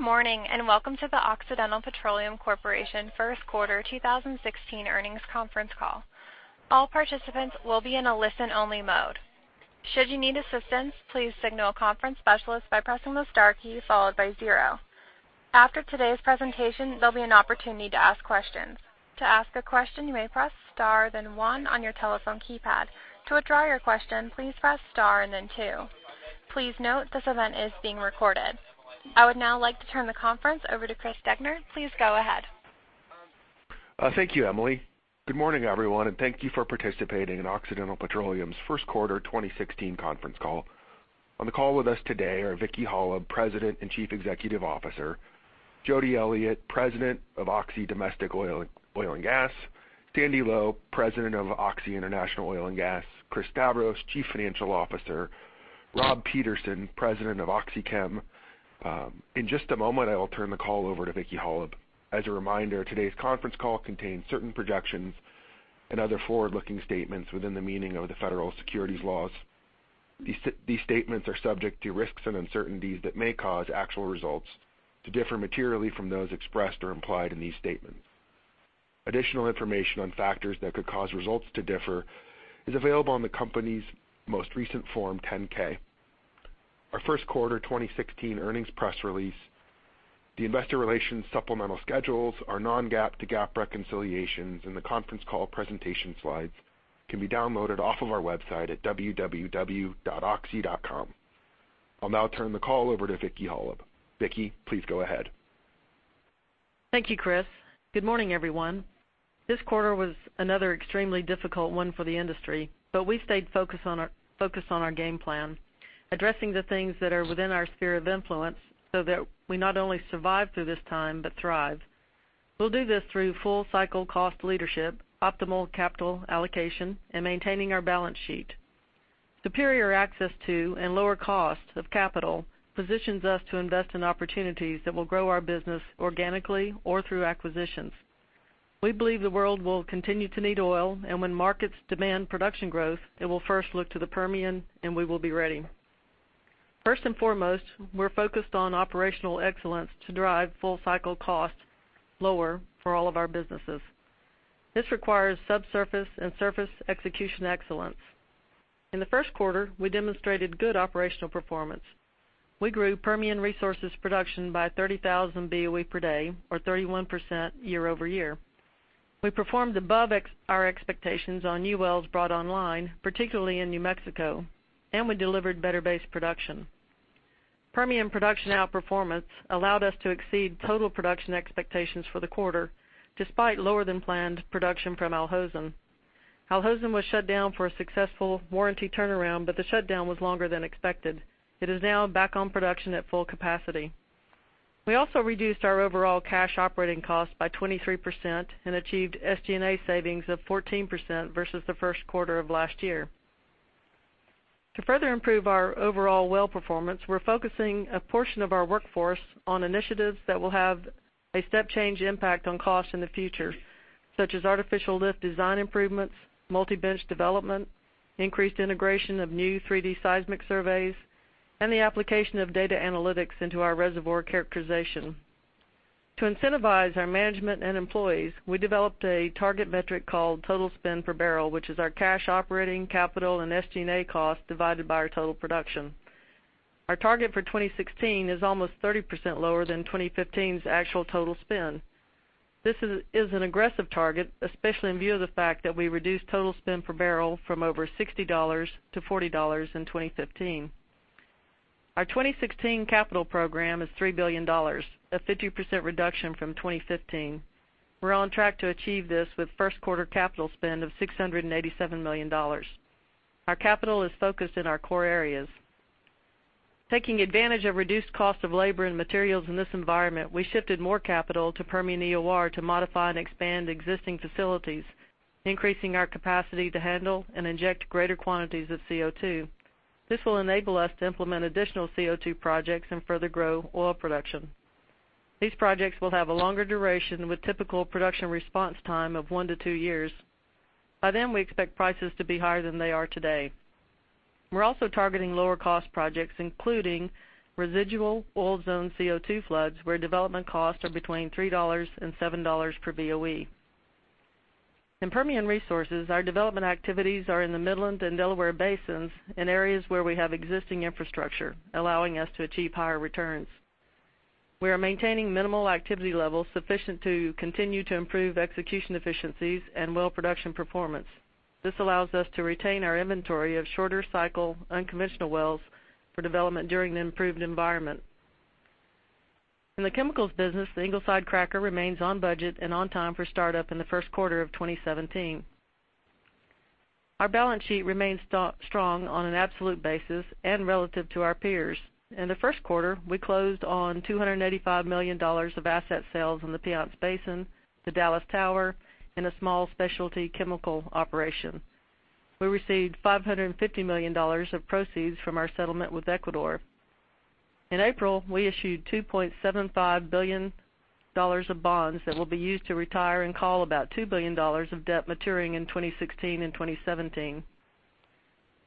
Good morning, and welcome to the Occidental Petroleum Corporation first quarter 2016 earnings conference call. All participants will be in a listen-only mode. Should you need assistance, please signal a conference specialist by pressing the star key followed by zero. After today's presentation, there'll be an opportunity to ask questions. To ask a question, you may press star then one on your telephone keypad. To withdraw your question, please press star and then two. Please note this event is being recorded. I would now like to turn the conference over to Chris Degner. Please go ahead. Thank you, Emily. Good morning, everyone, and thank you for participating in Occidental Petroleum's first quarter 2016 conference call. On the call with us today are Vicki Hollub, President and Chief Executive Officer, Jody Elliott, President of Oxy Domestic Oil and Gas, Sandy Lowe, President of Oxy International Oil and Gas, Chris Stavros, Chief Financial Officer, Rob Peterson, President of OxyChem. In just a moment, I will turn the call over to Vicki Hollub. As a reminder, today's conference call contains certain projections and other forward-looking statements within the meaning of the federal securities laws. These statements are subject to risks and uncertainties that may cause actual results to differ materially from those expressed or implied in these statements. Additional information on factors that could cause results to differ is available on the company's most recent Form 10-K. Our first quarter 2016 earnings press release, the investor relations supplemental schedules, our non-GAAP to GAAP reconciliations, and the conference call presentation slides can be downloaded off of our website at www.oxy.com. I'll now turn the call over to Vicki Hollub. Vicki, please go ahead. Thank you, Chris. Good morning, everyone. This quarter was another extremely difficult one for the industry, but we stayed focused on our game plan, addressing the things that are within our sphere of influence so that we not only survive through this time but thrive. We'll do this through full cycle cost leadership, optimal capital allocation, and maintaining our balance sheet. Superior access to and lower costs of capital positions us to invest in opportunities that will grow our business organically or through acquisitions. We believe the world will continue to need oil, and when markets demand production growth, it will first look to the Permian, and we will be ready. First and foremost, we're focused on operational excellence to drive full cycle cost lower for all of our businesses. This requires subsurface and surface execution excellence. In the first quarter, we demonstrated good operational performance. We grew Permian Resources production by 30,000 BOE per day or 31% year-over-year. We performed above our expectations on new wells brought online, particularly in New Mexico, and we delivered better base production. Permian production outperformance allowed us to exceed total production expectations for the quarter, despite lower than planned production from Al Hosn. Al Hosn was shut down for a successful warranty turnaround, but the shutdown was longer than expected. It is now back on production at full capacity. We also reduced our overall cash operating costs by 23% and achieved SG&A savings of 14% versus the first quarter of last year. To further improve our overall well performance, we're focusing a portion of our workforce on initiatives that will have a step change impact on costs in the future, such as artificial lift design improvements, multi-bench development, increased integration of new 3D seismic surveys, and the application of data analytics into our reservoir characterization. To incentivize our management and employees, we developed a target metric called total spend per barrel, which is our cash, operating, capital, and SG&A cost divided by our total production. Our target for 2016 is almost 30% lower than 2015's actual total spend. This is an aggressive target, especially in view of the fact that we reduced total spend per barrel from over $60 to $40 in 2015. Our 2016 capital program is $3 billion, a 50% reduction from 2015. We're on track to achieve this with first quarter capital spend of $687 million. Our capital is focused in our core areas. Taking advantage of reduced cost of labor and materials in this environment, we shifted more capital to Permian EOR to modify and expand existing facilities, increasing our capacity to handle and inject greater quantities of CO2. This will enable us to implement additional CO2 projects and further grow oil production. These projects will have a longer duration with typical production response time of one to two years. By then, we expect prices to be higher than they are today. We're also targeting lower cost projects, including residual oil zone CO2 floods, where development costs are between $3 and $7 per BOE. In Permian Resources, our development activities are in the Midland and Delaware basins in areas where we have existing infrastructure, allowing us to achieve higher returns. We are maintaining minimal activity levels sufficient to continue to improve execution efficiencies and well production performance. This allows us to retain our inventory of shorter cycle unconventional wells for development during an improved environment. In the chemicals business, the Ingleside cracker remains on budget and on time for startup in the first quarter of 2017. Our balance sheet remains strong on an absolute basis and relative to our peers. In the first quarter, we closed on $285 million of asset sales in the Piceance Basin, the Dallas Tower, and a small specialty chemical operation. We received $550 million of proceeds from our settlement with Ecuador. In April, we issued $2.75 billion of bonds that will be used to retire and call about $2 billion of debt maturing in 2016 and 2017.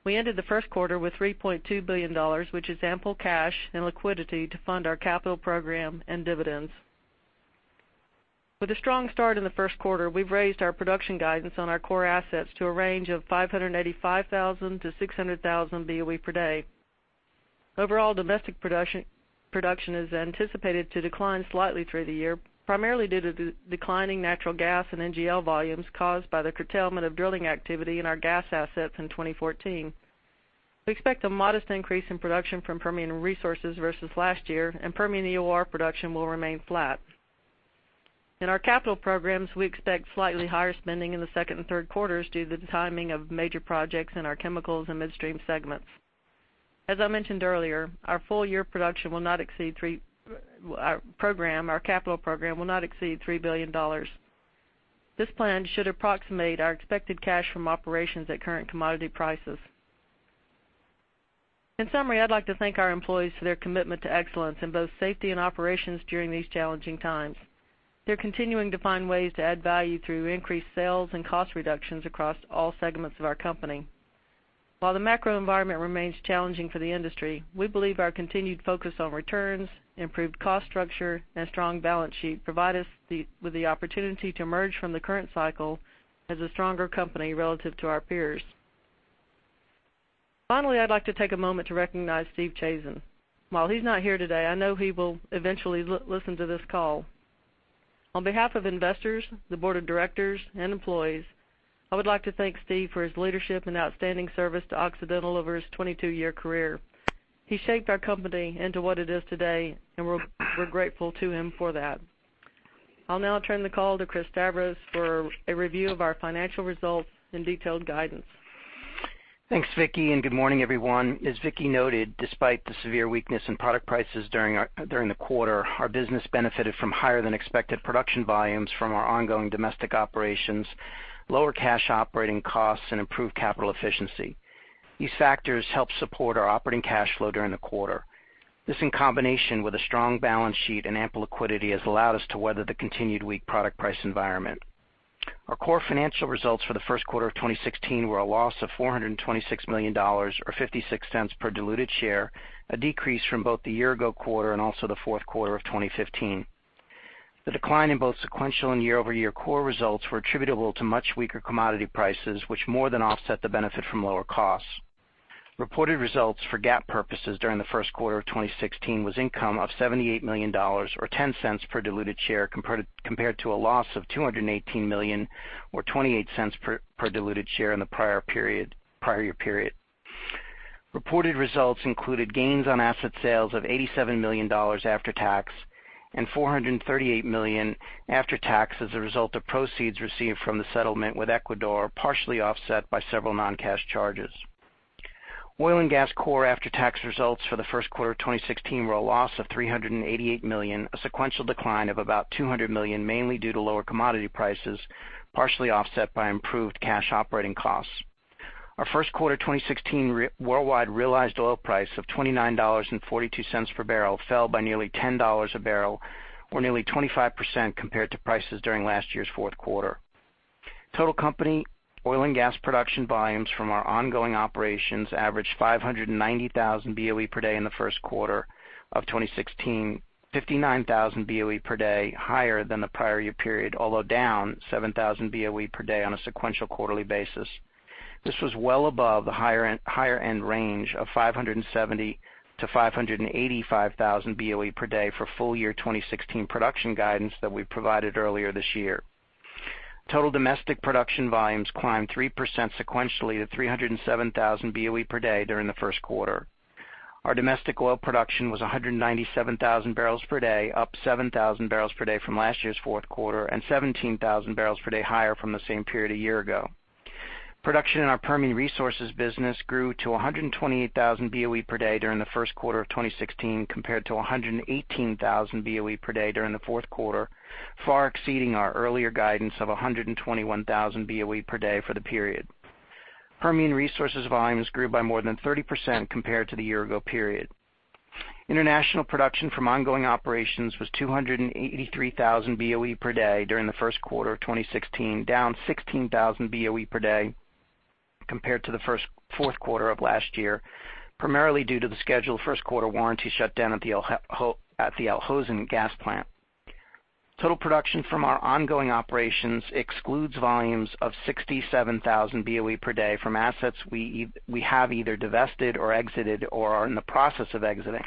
We ended the first quarter with $3.2 billion, which is ample cash and liquidity to fund our capital program and dividends. With a strong start in the first quarter, we've raised our production guidance on our core assets to a range of 585,000-600,000 BOE per day. Overall, domestic production is anticipated to decline slightly through the year, primarily due to the declining natural gas and NGL volumes caused by the curtailment of drilling activity in our gas assets in 2014. We expect a modest increase in production from Permian Resources versus last year, and Permian EOR production will remain flat. In our capital programs, we expect slightly higher spending in the second and third quarters due to the timing of major projects in our chemicals and midstream segments. As I mentioned earlier, our capital program will not exceed $3 billion. This plan should approximate our expected cash from operations at current commodity prices. In summary, I'd like to thank our employees for their commitment to excellence in both safety and operations during these challenging times. They're continuing to find ways to add value through increased sales and cost reductions across all segments of our company. While the macro environment remains challenging for the industry, we believe our continued focus on returns, improved cost structure, and a strong balance sheet provide us with the opportunity to emerge from the current cycle as a stronger company relative to our peers. Finally, I'd like to take a moment to recognize Steve Chazen. While he's not here today, I know he will eventually listen to this call. On behalf of investors, the board of directors, and employees, I would like to thank Steve for his leadership and outstanding service to Occidental over his 22-year career. He shaped our company into what it is today, and we're grateful to him for that. I'll now turn the call to Chris Stavros for a review of our financial results and detailed guidance. Thanks, Vicki, and good morning, everyone. As Vicki noted, despite the severe weakness in product prices during the quarter, our business benefited from higher than expected production volumes from our ongoing domestic operations, lower cash operating costs, and improved capital efficiency. These factors helped support our operating cash flow during the quarter. This, in combination with a strong balance sheet and ample liquidity, has allowed us to weather the continued weak product price environment. Our core financial results for the first quarter of 2016 were a loss of $426 million, or $0.56 per diluted share, a decrease from both the year ago quarter and also the fourth quarter of 2015. The decline in both sequential and year-over-year core results were attributable to much weaker commodity prices, which more than offset the benefit from lower costs. Reported results for GAAP purposes during the first quarter of 2016 was income of $78 million, or $0.10 per diluted share, compared to a loss of $218 million or $0.28 per diluted share in the prior year period. Reported results included gains on asset sales of $87 million after tax and $438 million after tax as a result of proceeds received from the settlement with Ecuador, partially offset by several non-cash charges. Oil and gas core after-tax results for the first quarter of 2016 were a loss of $388 million, a sequential decline of about $200 million, mainly due to lower commodity prices, partially offset by improved cash operating costs. Our first quarter 2016 worldwide realized oil price of $29.42 per barrel fell by nearly $10 a barrel or nearly 25% compared to prices during last year's fourth quarter. Total company oil and gas production volumes from our ongoing operations averaged 590,000 BOE per day in the first quarter of 2016, 59,000 BOE per day higher than the prior year period, although down 7,000 BOE per day on a sequential quarterly basis. This was well above the higher end range of 570,000-585,000 BOE per day for full year 2016 production guidance that we provided earlier this year. Total domestic production volumes climbed 3% sequentially to 307,000 BOE per day during the first quarter. Our domestic oil production was 197,000 barrels per day, up 7,000 barrels per day from last year's fourth quarter and 17,000 barrels per day higher from the same period a year ago. Production in our Permian Resources business grew to 128,000 BOE per day during the first quarter of 2016, compared to 118,000 BOE per day during the fourth quarter, far exceeding our earlier guidance of 121,000 BOE per day for the period. Permian Resources volumes grew by more than 30% compared to the year ago period. International production from ongoing operations was 283,000 BOE per day during the first quarter of 2016, down 16,000 BOE per day compared to the fourth quarter of last year, primarily due to the scheduled first quarter warranty shutdown at the Al Hosn gas plant. Total production from our ongoing operations excludes volumes of 67,000 BOE per day from assets we have either divested or exited or are in the process of exiting.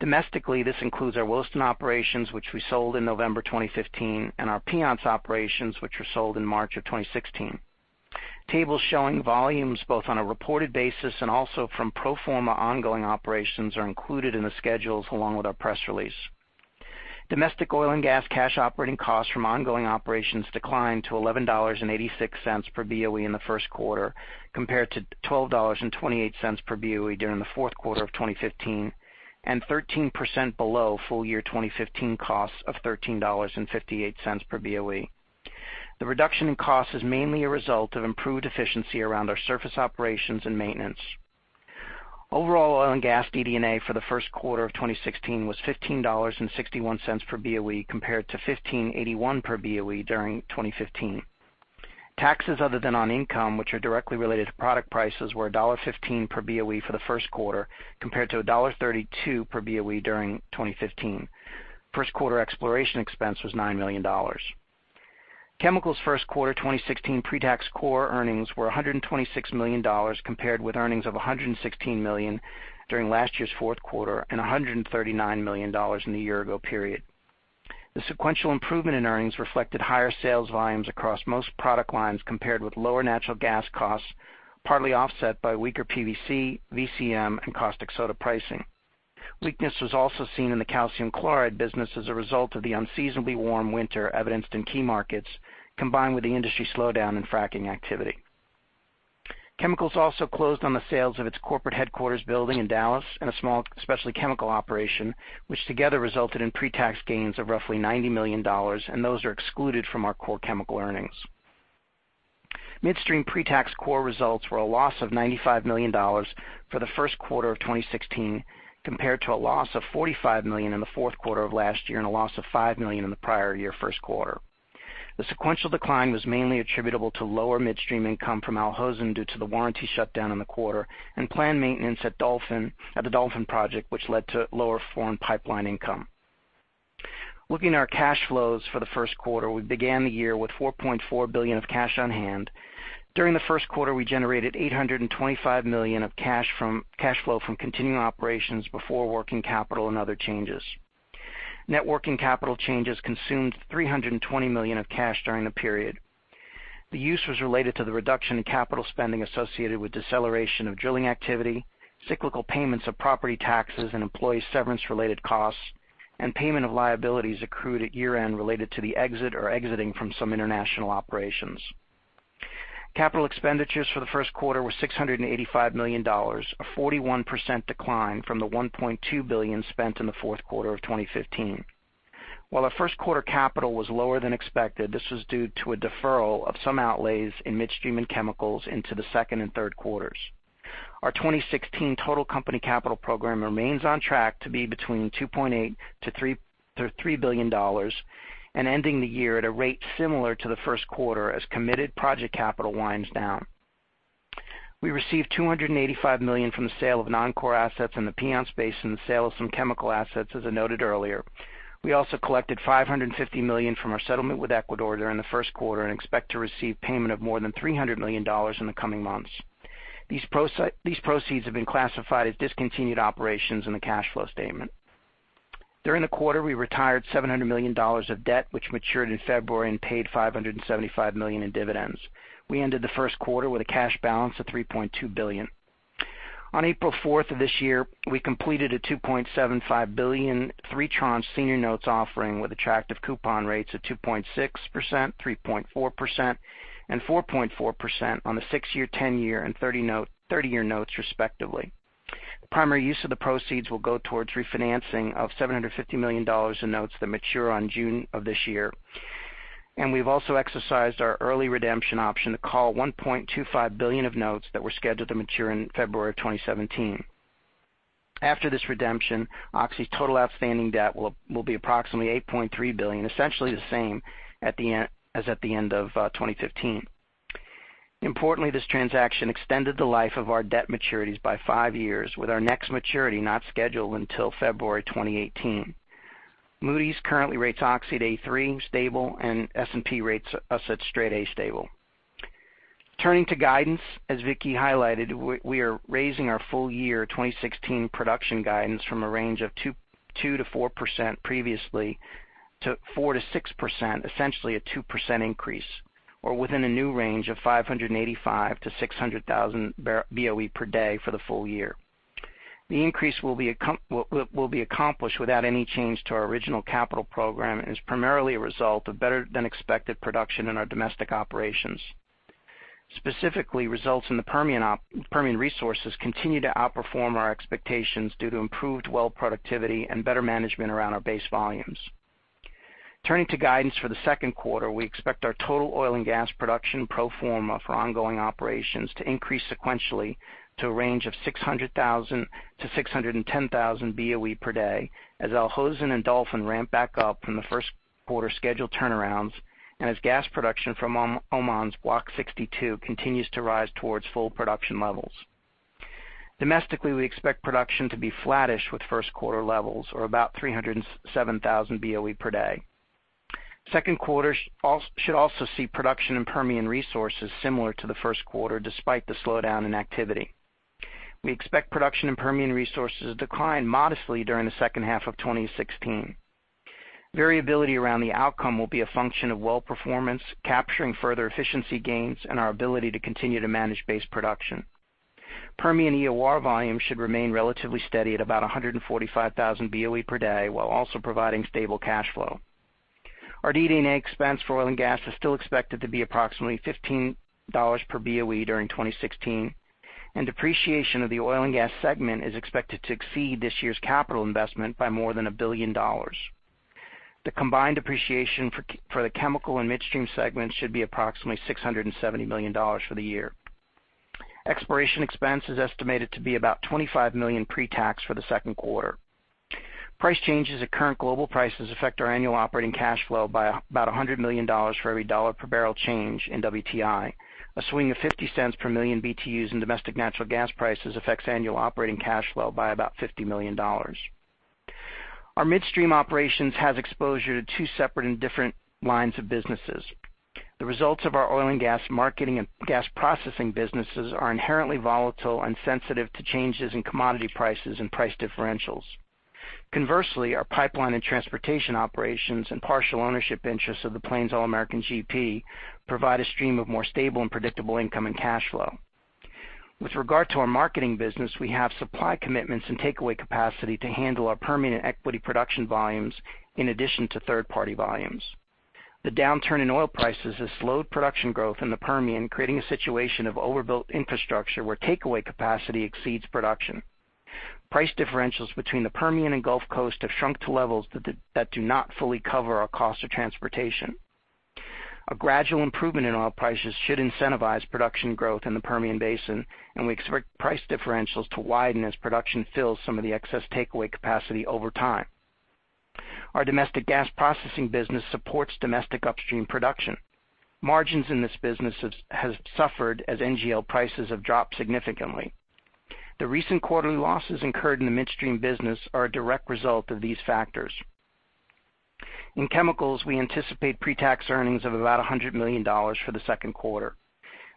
Domestically, this includes our Williston operations, which we sold in November 2015, and our Piceance operations, which were sold in March of 2016. Tables showing volumes both on a reported basis and also from pro forma ongoing operations are included in the schedules along with our press release. Domestic oil and gas cash operating costs from ongoing operations declined to $11.86 per BOE in the first quarter, compared to $12.28 per BOE during the fourth quarter of 2015 and 13% below full year 2015 costs of $13.58 per BOE. The reduction in cost is mainly a result of improved efficiency around our surface operations and maintenance. Overall oil and gas DD&A for the first quarter of 2016 was $15.61 per BOE, compared to $15.81 per BOE during 2015. Taxes other than on income, which are directly related to product prices, were $1.15 per BOE for the first quarter, compared to $1.32 per BOE during 2015. First quarter exploration expense was $9 million. Chemicals first quarter 2016 pre-tax core earnings were $126 million, compared with earnings of $116 million during last year's fourth quarter, and $139 million in the year ago period. The sequential improvement in earnings reflected higher sales volumes across most product lines, compared with lower natural gas costs, partly offset by weaker PVC, VCM, and caustic soda pricing. Weakness was also seen in the calcium chloride business as a result of the unseasonably warm winter evidenced in key markets, combined with the industry slowdown in fracking activity. Chemicals also closed on the sales of its corporate headquarters building in Dallas and a small specialty chemical operation, which together resulted in pre-tax gains of roughly $90 million, and those are excluded from our core chemical earnings. Midstream pre-tax core results were a loss of $95 million for the first quarter of 2016, compared to a loss of $45 million in the fourth quarter of last year, and a loss of $5 million in the prior year first quarter. The sequential decline was mainly attributable to lower midstream income from Al Hosn due to the warranty shutdown in the quarter, and planned maintenance at the Dolphin project, which led to lower foreign pipeline income. Looking at our cash flows for the first quarter, we began the year with $4.4 billion of cash on hand. During the first quarter, we generated $825 million of cash flow from continuing operations before working capital and other changes. Net working capital changes consumed $320 million of cash during the period. The use was related to the reduction in capital spending associated with deceleration of drilling activity, cyclical payments of property taxes and employee severance related costs, and payment of liabilities accrued at year-end related to the exit or exiting from some international operations. Capital expenditures for the first quarter were $685 million, a 41% decline from the $1.2 billion spent in the fourth quarter of 2015. While our first quarter capital was lower than expected, this was due to a deferral of some outlays in midstream and chemicals into the second and third quarters. Our 2016 total company capital program remains on track to be between $2.8 billion-$3 billion, and ending the year at a rate similar to the first quarter as committed project capital winds down. We received $285 million from the sale of non-core assets in the Piceance Basin, the sale of some chemical assets, as I noted earlier. We also collected $550 million from our settlement with Ecuador during the first quarter and expect to receive payment of more than $300 million in the coming months. These proceeds have been classified as discontinued operations in the cash flow statement. During the quarter, we retired $700 million of debt, which matured in February, and paid $575 million in dividends. We ended the first quarter with a cash balance of $3.2 billion. On April 4th of this year, we completed a $2.75 billion three tranche senior notes offering with attractive coupon rates of 2.6%, 3.4%, and 4.4% on the six year, 10 year, and 30 year notes, respectively. The primary use of the proceeds will go towards refinancing of $750 million in notes that mature on June of this year, and we've also exercised our early redemption option to call $1.25 billion of notes that were scheduled to mature in February of 2017. After this redemption, Oxy's total outstanding debt will be approximately $8.3 billion, essentially the same as at the end of 2015. Importantly, this transaction extended the life of our debt maturities by five years, with our next maturity not scheduled until February 2018. Moody's currently rates Oxy at A3 stable, and S&P rates us at straight A stable. Turning to guidance, as Vicki highlighted, we are raising our full year 2016 production guidance from a range of 2% to 4% previously to 4% to 6%, essentially a 2% increase or within a new range of 585,000 to 600,000 BOE per day for the full year. The increase will be accomplished without any change to our original capital program and is primarily a result of better than expected production in our domestic operations. Specifically, results in the Permian Resources continue to outperform our expectations due to improved well productivity and better management around our base volumes. Turning to guidance for the second quarter, we expect our total oil and gas production pro forma for ongoing operations to increase sequentially to a range of 600,000 to 610,000 BOE per day, as Al Hosn and Dolphin ramp back up from the first quarter scheduled turnarounds and as gas production from Oman's Block 62 continues to rise towards full production levels. Domestically, we expect production to be flattish with first quarter levels or about 307,000 BOE per day. Second quarter should also see production in Permian Resources similar to the first quarter, despite the slowdown in activity. We expect production in Permian Resources to decline modestly during the second half of 2016. Variability around the outcome will be a function of well performance, capturing further efficiency gains, and our ability to continue to manage base production. Permian EOR volumes should remain relatively steady at about 145,000 BOE per day while also providing stable cash flow. Our DD&A expense for oil and gas is still expected to be approximately $15 per BOE during 2016, and depreciation of the oil and gas segment is expected to exceed this year's capital investment by more than $1 billion. The combined depreciation for the chemical and midstream segments should be approximately $670 million for the year. Exploration expense is estimated to be about $25 million pre-tax for the second quarter. Price changes at current global prices affect our annual operating cash flow by about $100 million for every $1 per barrel change in WTI. A swing of $0.50 per million BTUs in domestic natural gas prices affects annual operating cash flow by about $50 million. Our midstream operations has exposure to two separate and different lines of businesses. The results of our oil and gas marketing and gas processing businesses are inherently volatile and sensitive to changes in commodity prices and price differentials. Conversely, our pipeline and transportation operations and partial ownership interests of the Plains All American GP provide a stream of more stable and predictable income and cash flow. With regard to our marketing business, we have supply commitments and takeaway capacity to handle our Permian equity production volumes in addition to third-party volumes. The downturn in oil prices has slowed production growth in the Permian, creating a situation of overbuilt infrastructure where takeaway capacity exceeds production. Price differentials between the Permian and Gulf Coast have shrunk to levels that do not fully cover our cost of transportation. We expect price differentials to widen as production fills some of the excess takeaway capacity over time. Our domestic gas processing business supports domestic upstream production. Margins in this business has suffered as NGL prices have dropped significantly. The recent quarterly losses incurred in the midstream business are a direct result of these factors. In chemicals, we anticipate pre-tax earnings of about $100 million for the second quarter.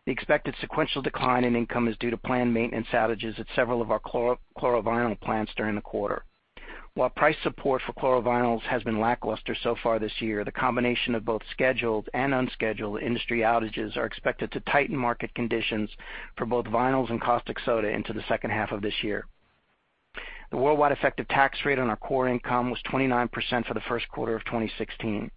The expected sequential decline in income is due to planned maintenance outages at several of our chlorovinyls plants during the quarter. While price support for chlorovinyls has been lackluster so far this year, the combination of both scheduled and unscheduled industry outages are expected to tighten market conditions for both vinyls and caustic soda into the second half of this year. The worldwide effective tax rate on our core income was 29% for the first quarter of 2016.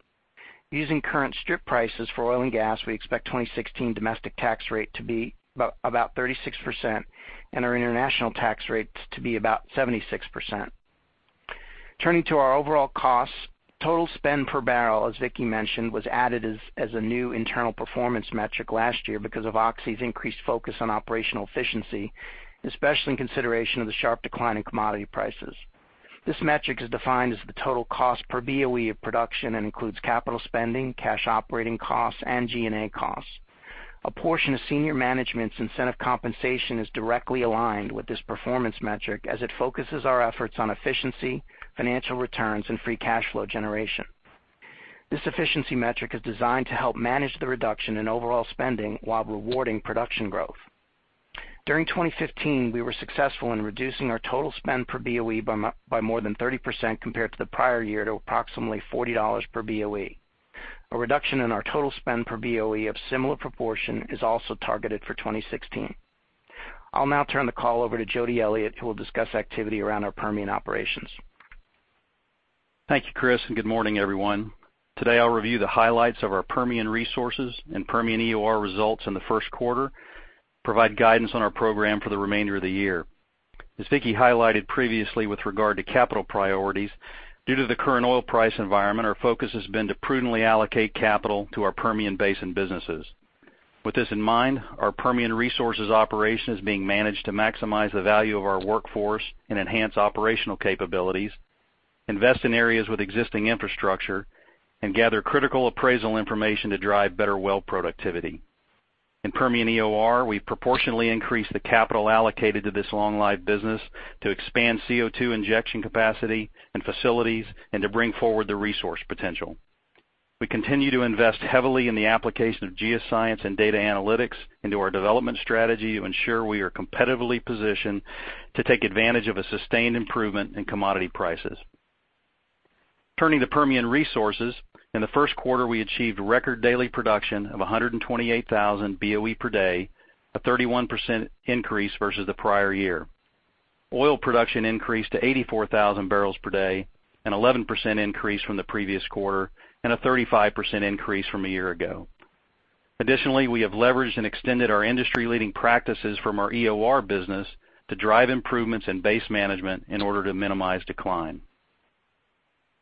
Using current strip prices for oil and gas, we expect 2016 domestic tax rate to be about 36% and our international tax rate to be about 76%. Turning to our overall costs, total spend per barrel, as Vicki mentioned, was added as a new internal performance metric last year because of Oxy's increased focus on operational efficiency, especially in consideration of the sharp decline in commodity prices. This metric is defined as the total cost per BOE of production and includes capital spending, cash operating costs, and G&A costs. A portion of senior management's incentive compensation is directly aligned with this performance metric as it focuses our efforts on efficiency, financial returns, and free cash flow generation. This efficiency metric is designed to help manage the reduction in overall spending while rewarding production growth. During 2015, we were successful in reducing our total spend per BOE by more than 30% compared to the prior year to approximately $40 per BOE. A reduction in our total spend per BOE of similar proportion is also targeted for 2016. I'll now turn the call over to Jody Elliott, who will discuss activity around our Permian operations. Thank you, Chris, and good morning, everyone. Today, I'll review the highlights of our Permian Resources and Permian EOR results in the first quarter, provide guidance on our program for the remainder of the year. As Vicki highlighted previously with regard to capital priorities, due to the current oil price environment, our focus has been to prudently allocate capital to our Permian Basin businesses. With this in mind, our Permian Resources operation is being managed to maximize the value of our workforce and enhance operational capabilities, invest in areas with existing infrastructure, and gather critical appraisal information to drive better well productivity. In Permian EOR, we've proportionally increased the capital allocated to this long-life business to expand CO2 injection capacity and facilities and to bring forward the resource potential. We continue to invest heavily in the application of geoscience and data analytics into our development strategy to ensure we are competitively positioned to take advantage of a sustained improvement in commodity prices. Turning to Permian Resources, in the first quarter, we achieved record daily production of 128,000 BOE per day, a 31% increase versus the prior year. Oil production increased to 84,000 barrels per day, an 11% increase from the previous quarter and a 35% increase from a year ago. Additionally, we have leveraged and extended our industry-leading practices from our EOR business to drive improvements in base management in order to minimize decline.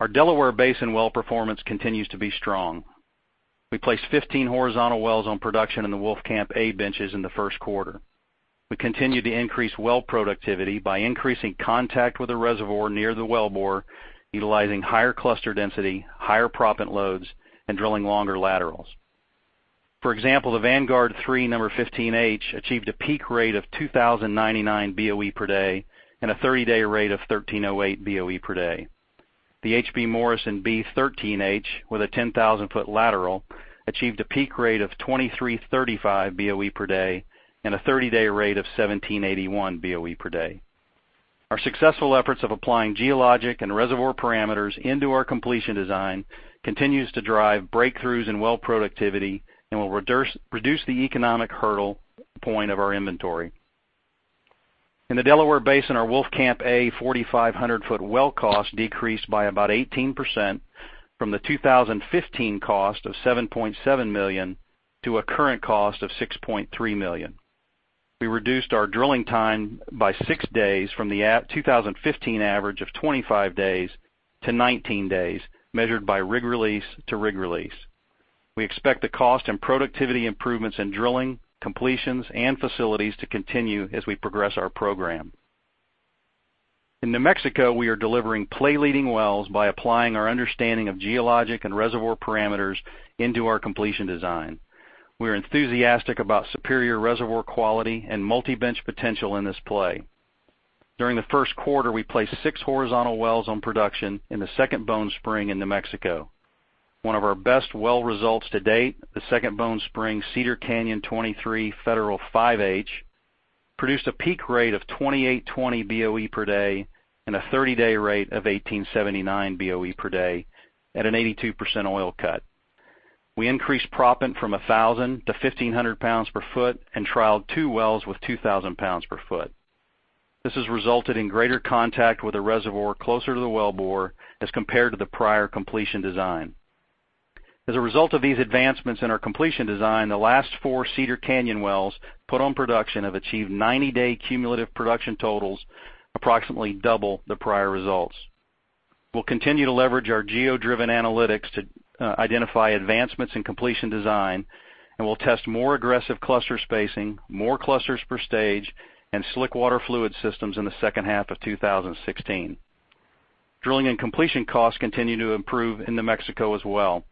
Our Delaware Basin well performance continues to be strong. We placed 15 horizontal wells on production in the Wolfcamp A benches in the first quarter. We continue to increase well productivity by increasing contact with the reservoir near the wellbore, utilizing higher cluster density, higher proppant loads, and drilling longer laterals. For example, the Vanguard-3 Number 15H achieved a peak rate of 2,099 BOE per day and a 30-day rate of 1,308 BOE per day. The HB Morrison B13H, with a 10,000-foot lateral, achieved a peak rate of 2,335 BOE per day and a 30-day rate of 1,781 BOE per day. Our successful efforts of applying geologic and reservoir parameters into our completion design continues to drive breakthroughs in well productivity and will reduce the economic hurdle point of our inventory. In the Delaware Basin, our Wolfcamp A 4,500-foot well cost decreased by about 18% from the 2015 cost of $7.7 million to a current cost of $6.3 million. We reduced our drilling time by six days from the 2015 average of 25 days to 19 days, measured by rig release to rig release. We expect the cost and productivity improvements in drilling, completions, and facilities to continue as we progress our program. In New Mexico, we are delivering play-leading wells by applying our understanding of geologic and reservoir parameters into our completion design. We're enthusiastic about superior reservoir quality and multi-bench potential in this play. During the first quarter, we placed six horizontal wells on production in the Second Bone Spring in New Mexico. One of our best well results to date, the Second Bone Spring Cedar Canyon 23 Federal 5H, produced a peak rate of 2,820 BOE per day and a 30-day rate of 1,879 BOE per day at an 82% oil cut. We increased proppant from 1,000 to 1,500 pounds per foot and trialed two wells with 2,000 pounds per foot. This has resulted in greater contact with the reservoir closer to the wellbore as compared to the prior completion design. As a result of these advancements in our completion design, the last four Cedar Canyon wells put on production have achieved 90-day cumulative production totals approximately double the prior results. We'll continue to leverage our geo-driven analytics to identify advancements in completion design, and we'll test more aggressive cluster spacing, more clusters per stage, and slick water fluid systems in the second half of 2016. Drilling and completion costs continue to improve in New Mexico as well,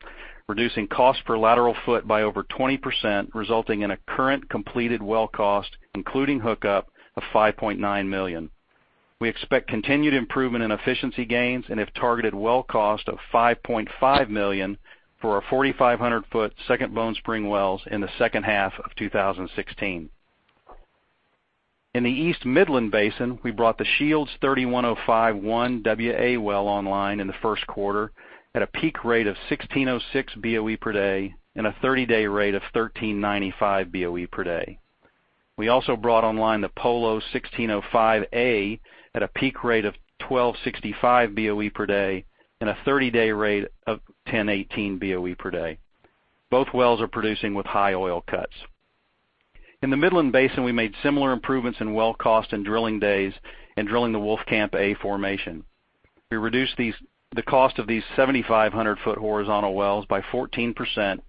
reducing cost per lateral foot by over 20%, resulting in a current completed well cost, including hookup, of $5.9 million. We expect continued improvement in efficiency gains and have targeted well cost of $5.5 million for our 4,500-foot Second Bone Spring wells in the second half of 2016. In the East Midland Basin, we brought the Shields 31051WA well online in the first quarter at a peak rate of 1,606 BOE per day and a 30-day rate of 1,395 BOE per day. We also brought online the Polo 1605A at a peak rate of 1,265 BOE per day and a 30-day rate of 1,018 BOE per day. Both wells are producing with high oil cuts. In the Midland Basin, we made similar improvements in well cost and drilling days in drilling the Wolfcamp A formation. We reduced the cost of these 7,500-foot horizontal wells by 14%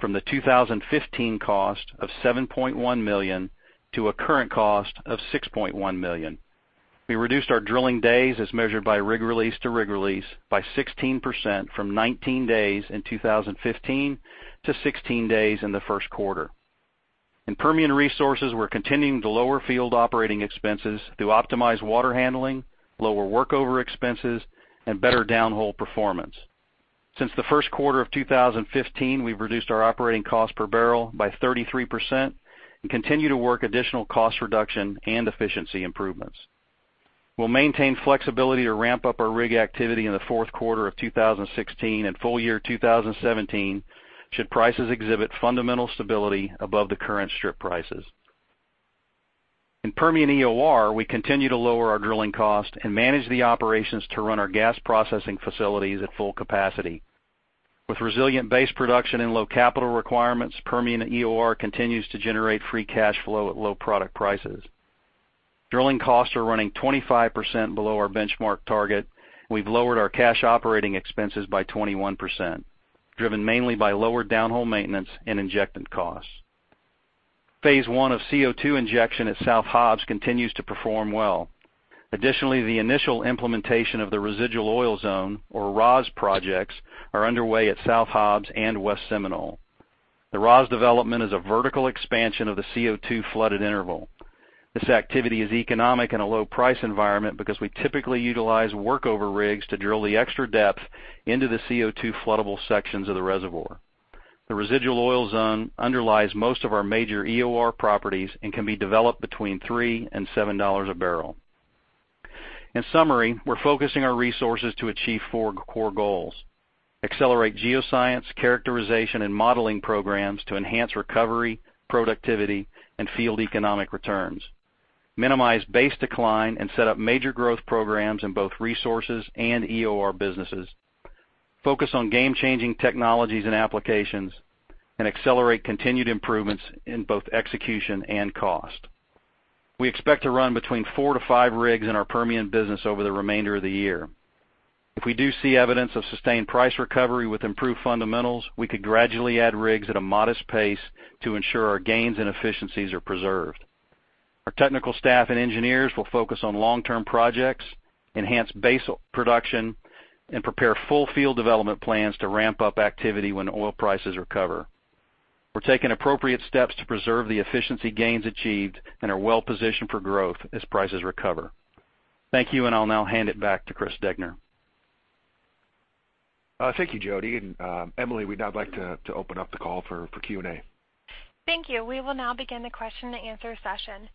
from the 2015 cost of $7.1 million to a current cost of $6.1 million. We reduced our drilling days as measured by rig release to rig release by 16% from 19 days in 2015 to 16 days in the first quarter. In Permian Resources, we're continuing to lower field operating expenses through optimized water handling, lower workover expenses, and better downhole performance. Since the first quarter of 2015, we've reduced our operating cost per barrel by 33% and continue to work additional cost reduction and efficiency improvements. We'll maintain flexibility to ramp up our rig activity in the fourth quarter of 2016 and full year 2017 should prices exhibit fundamental stability above the current strip prices. In Permian EOR, we continue to lower our drilling cost and manage the operations to run our gas processing facilities at full capacity. With resilient base production and low capital requirements, Permian EOR continues to generate free cash flow at low product prices. Drilling costs are running 25% below our benchmark target. We've lowered our cash operating expenses by 21%, driven mainly by lower downhole maintenance and injectant costs. Phase 1 of CO2 injection at South Hobbs continues to perform well. Additionally, the initial implementation of the residual oil zone, or ROZ projects, are underway at South Hobbs and West Seminole. The ROZ development is a vertical expansion of the CO2 flooded interval. This activity is economic in a low price environment because we typically utilize workover rigs to drill the extra depth into the CO2 floodable sections of the reservoir. The residual oil zone underlies most of our major EOR properties and can be developed between $3 and $7 a barrel. In summary, we're focusing our resources to achieve four core goals. Accelerate geoscience, characterization, and modeling programs to enhance recovery, productivity, and field economic returns. Minimize base decline and set up major growth programs in both resources and EOR businesses. Focus on game-changing technologies and applications, and accelerate continued improvements in both execution and cost. We expect to run between four to five rigs in our Permian business over the remainder of the year. If we do see evidence of sustained price recovery with improved fundamentals, we could gradually add rigs at a modest pace to ensure our gains and efficiencies are preserved. Our technical staff and engineers will focus on long-term projects, enhance base production, and prepare full field development plans to ramp up activity when oil prices recover. We're taking appropriate steps to preserve the efficiency gains achieved and are well positioned for growth as prices recover. Thank you, and I'll now hand it back to Chris Degner. Thank you, Jody, and Emily, we'd now like to open up the call for Q&A. Thank you. We will now begin the question and answer session.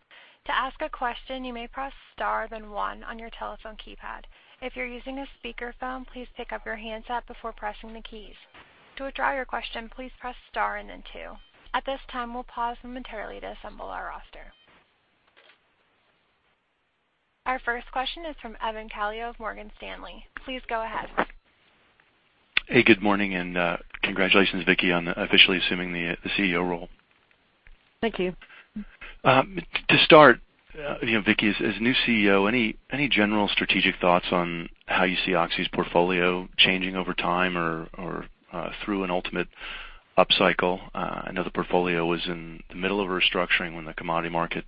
To ask a question, you may press star then one on your telephone keypad. If you're using a speakerphone, please pick up your handset before pressing the keys. To withdraw your question, please press star and then two. At this time, we'll pause momentarily to assemble our roster. Our first question is from Evan Calio of Morgan Stanley. Please go ahead. Hey, good morning, congratulations, Vicki, on officially assuming the CEO role. Thank you. To start, Vicki, as new CEO, any general strategic thoughts on how you see Oxy's portfolio changing over time or through an ultimate upcycle? I know the portfolio was in the middle of a restructuring when the commodity market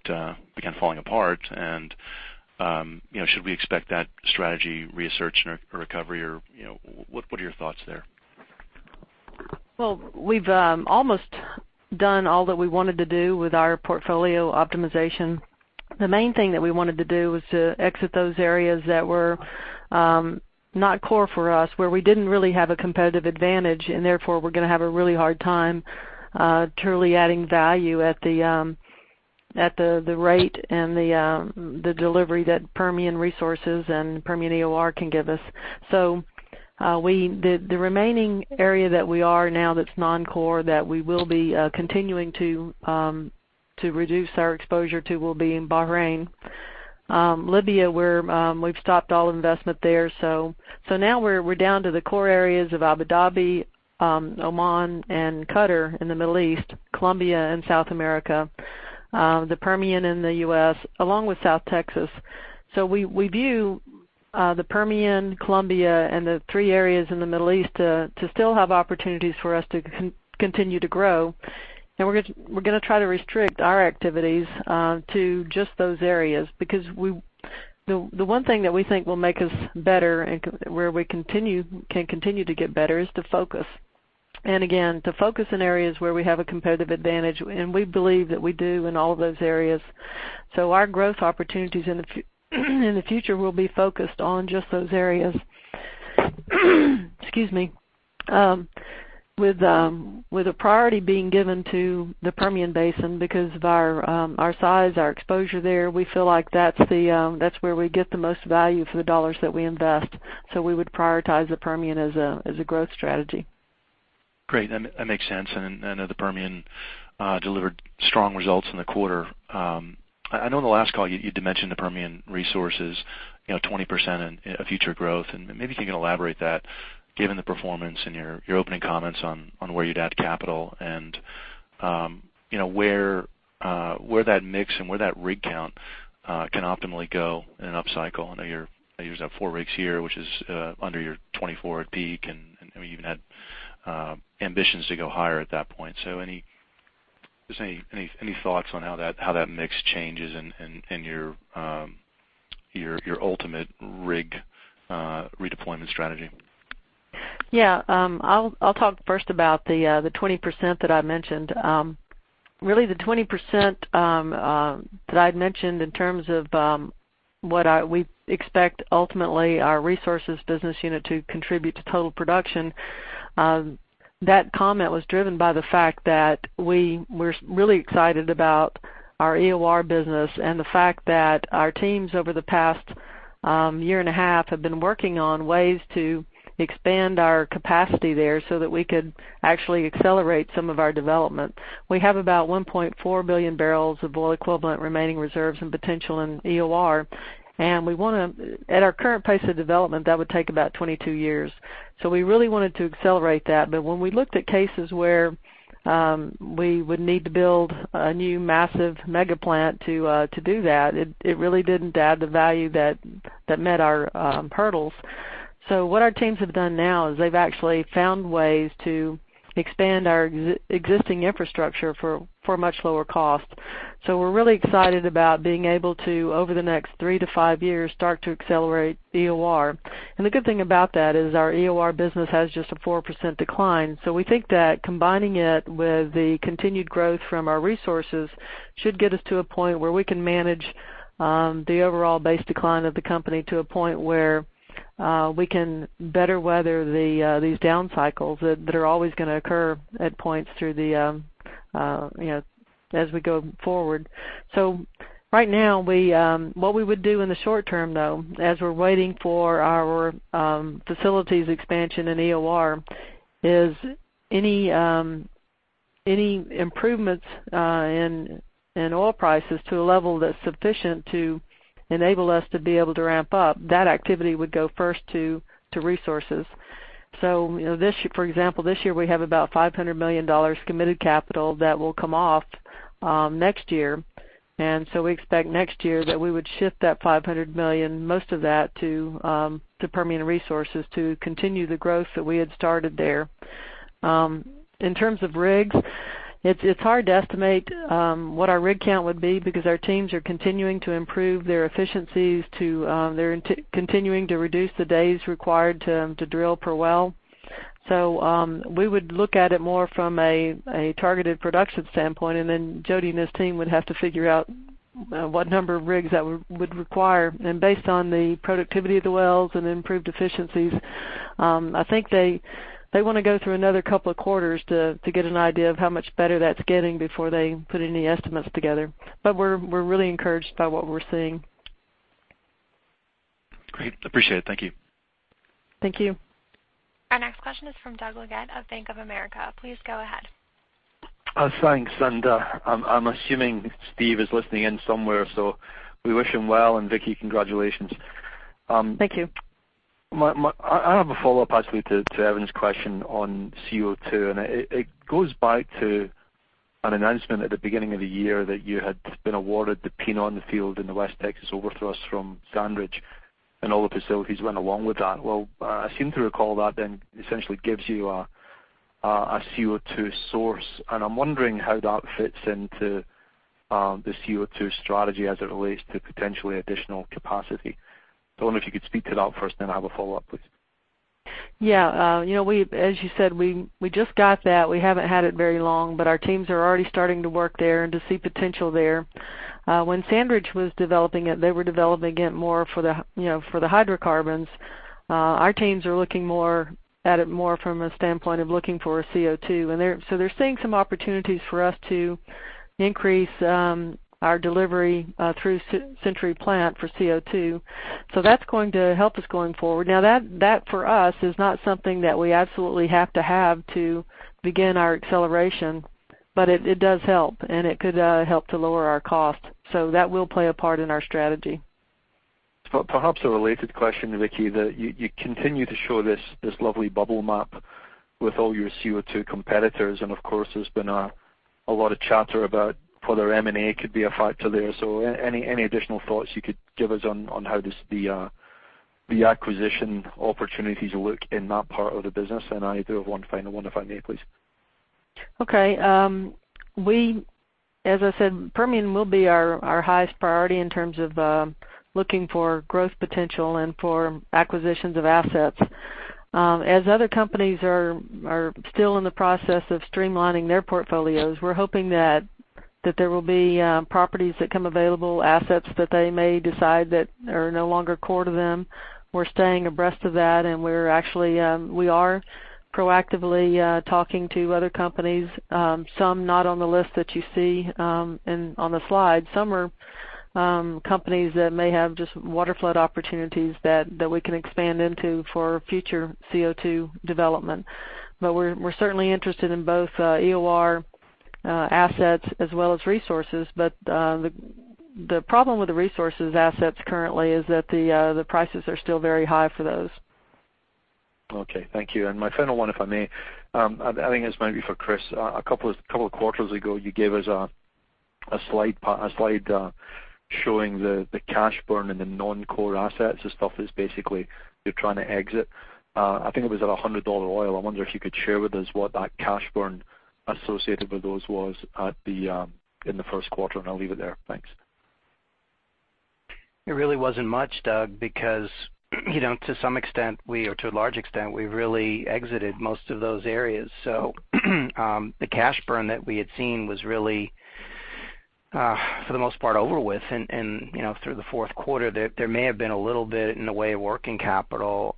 began falling apart. Should we expect that strategy research and recovery or what are your thoughts there? Well, we've almost done all that we wanted to do with our portfolio optimization. The main thing that we wanted to do was to exit those areas that were not core for us, where we didn't really have a competitive advantage, and therefore, we're going to have a really hard time truly adding value at the rate and the delivery that Permian Resources and Permian EOR can give us. The remaining area that we are now that's non-core that we will be continuing to reduce our exposure to will be in Bahrain. Libya, we've stopped all investment there. Now we're down to the core areas of Abu Dhabi, Oman, and Qatar in the Middle East, Colombia and South America, the Permian in the U.S., along with South Texas. We view the Permian, Colombia, and the three areas in the Middle East to still have opportunities for us to continue to grow. We're going to try to restrict our activities to just those areas, because the one thing that we think will make us better and where we can continue to get better is to focus. Again, to focus in areas where we have a competitive advantage, and we believe that we do in all of those areas. Our growth opportunities in the future will be focused on just those areas. Excuse me. With a priority being given to the Permian Basin because of our size, our exposure there. We feel like that's where we get the most value for the dollars that we invest. We would prioritize the Permian as a growth strategy. Great. That makes sense. I know the Permian delivered strong results in the quarter. I know in the last call, you'd mentioned the Permian Resources 20% in future growth, and maybe if you can elaborate that given the performance and your opening comments on where you'd add capital and where that mix and where that rig count can optimally go in an upcycle. I know you just have four rigs here, which is under your 24 at peak, and you even had ambitions to go higher at that point. Any thoughts on how that mix changes and your ultimate rig redeployment strategy? Yeah. I'll talk first about the 20% that I mentioned. Really the 20% that I'd mentioned in terms of what we expect ultimately our resources business unit to contribute to total production, that comment was driven by the fact that we're really excited about our EOR business and the fact that our teams over the past year and a half have been working on ways to expand our capacity there so that we could actually accelerate some of our development. We have about 1.4 billion barrels of oil equivalent remaining reserves and potential in EOR, and at our current pace of development, that would take about 22 years. We really wanted to accelerate that, but when we looked at cases where we would need to build a new massive mega plant to do that, it really didn't add the value that met our hurdles. What our teams have done now is they've actually found ways to expand our existing infrastructure for a much lower cost. We're really excited about being able to, over the next three to five years, start to accelerate EOR. The good thing about that is our EOR business has just a 4% decline. We think that combining it with the continued growth from our resources should get us to a point where we can manage the overall base decline of the company to a point where we can better weather these down cycles that are always going to occur at points as we go forward. Right now, what we would do in the short term, though, as we're waiting for our facilities expansion in EOR, is any improvements in oil prices to a level that's sufficient to enable us to be able to ramp up, that activity would go first to resources. For example, this year we have about $500 million committed capital that will come off next year. We expect next year that we would shift that $500 million, most of that to Permian Resources to continue the growth that we had started there. In terms of rigs, it's hard to estimate what our rig count would be because our teams are continuing to improve their efficiencies. They're continuing to reduce the days required to drill per well. We would look at it more from a targeted production standpoint. Jody and his team would have to figure out what number of rigs that would require. Based on the productivity of the wells and improved efficiencies, I think they want to go through another couple of quarters to get an idea of how much better that's getting before they put any estimates together. We're really encouraged by what we're seeing. Great. Appreciate it. Thank you. Thank you. Our next question is from Doug Leggate of Bank of America. Please go ahead. Thanks. I'm assuming Steve is listening in somewhere, so we wish him well, and Vicki, congratulations. Thank you. I have a follow-up, actually, to Evan's question on CO2, and it goes back to an announcement at the beginning of the year that you had been awarded the Pinon Field in the West Texas Overthrust from SandRidge, and all the facilities went along with that. I seem to recall that then essentially gives you a CO2 source. I'm wondering how that fits into the CO2 strategy as it relates to potentially additional capacity. I wonder if you could speak to that first, then I have a follow-up, please. As you said, we just got that. We haven't had it very long, but our teams are already starting to work there and to see potential there. When SandRidge was developing it, they were developing it more for the hydrocarbons. Our teams are looking at it more from a standpoint of looking for CO2. They're seeing some opportunities for us to increase our delivery through Century Plant for CO2. That's going to help us going forward. Now that, for us, is not something that we absolutely have to have to begin our acceleration, but it does help, and it could help to lower our cost. That will play a part in our strategy. Perhaps a related question, Vicki, that you continue to show this lovely bubble map with all your CO2 competitors, and of course, there's been a lot of chatter about whether M&A could be a factor there. Any additional thoughts you could give us on how the acquisition opportunities look in that part of the business? I do have one final one, if I may, please. Okay. As I said, Permian will be our highest priority in terms of looking for growth potential and for acquisitions of assets. As other companies are still in the process of streamlining their portfolios, we're hoping that there will be properties that come available, assets that they may decide that are no longer core to them. We're staying abreast of that, and we are proactively talking to other companies, some not on the list that you see on the slide. Some are companies that may have just waterflood opportunities that we can expand into for future CO2 development. We're certainly interested in both EOR assets as well as resources. The problem with the resources assets currently is that the prices are still very high for those. Okay. Thank you. My final one, if I may. I think this might be for Chris. A couple of quarters ago, you gave us a slide showing the cash burn in the non-core assets, the stuff that's basically you're trying to exit. I think it was at $100 oil. I wonder if you could share with us what that cash burn associated with those was in the first quarter. I'll leave it there. Thanks. It really wasn't much, Doug, because to a large extent, we really exited most of those areas. The cash burn that we had seen was really, for the most part, over with. Through the fourth quarter, there may have been a little bit in the way of working capital,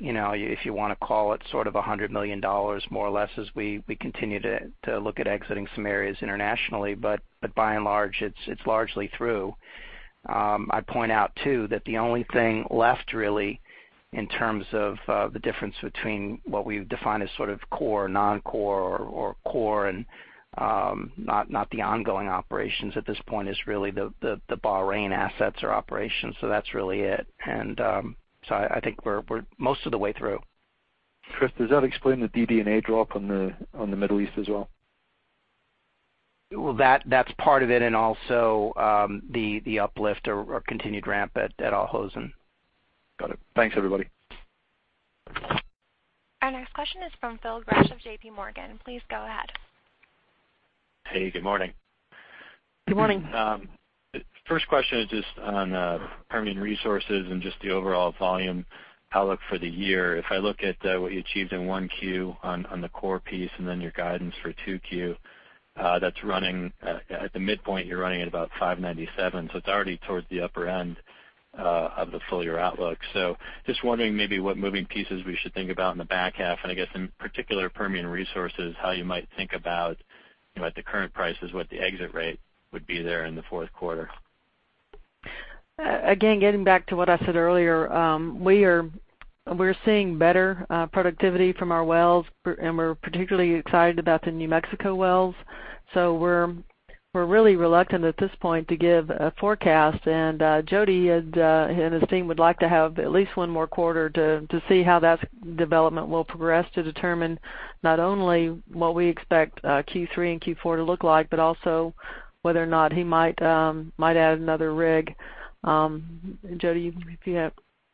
if you want to call it sort of $100 million, more or less, as we continue to look at exiting some areas internationally. By and large, it's largely through. I'd point out, too, that the only thing left really, in terms of the difference between what we've defined as sort of core, non-core, or core and not the ongoing operations at this point is really the Bahrain assets or operations. That's really it. I think we're most of the way through. Chris, does that explain the DD&A drop on the Middle East as well? Well, that's part of it, and also the uplift or continued ramp at Al Hosn. Got it. Thanks, everybody. Our next question is from Phil Gresh of JPMorgan. Please go ahead. Hey, good morning. Good morning. First question is just on Permian Resources and just the overall volume outlook for the year. If I look at what you achieved in 1Q on the core piece and then your guidance for 2Q, at the midpoint, you're running at about 597. It's already towards the upper end of the full-year outlook. Just wondering maybe what moving pieces we should think about in the back half, and I guess in particular, Permian Resources, how you might think about the current prices, what the exit rate would be there in the fourth quarter. Again, getting back to what I said earlier, we're seeing better productivity from our wells, and we're particularly excited about the New Mexico wells. We're really reluctant at this point to give a forecast. Jody and his team would like to have at least one more quarter to see how that development will progress to determine not only what we expect Q3 and Q4 to look like, but also whether or not he might add another rig. Jody, you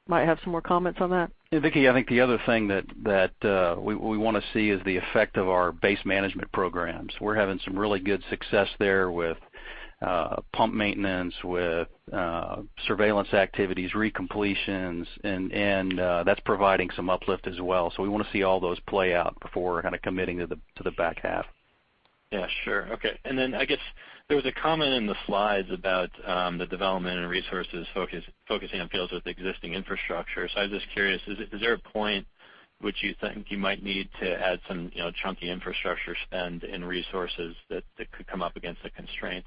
might have some more comments on that? Yeah, Vicki, I think the other thing that we want to see is the effect of our base management programs. We're having some really good success there with pump maintenance, with surveillance activities, recompletions, and that's providing some uplift as well. We want to see all those play out before committing to the back half. Yeah, sure. Okay. I guess there was a comment in the slides about the development and resources focusing on fields with existing infrastructure. I was just curious, is there a point which you think you might need to add some chunky infrastructure spend and resources that could come up against a constraint?